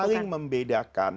yang paling membedakan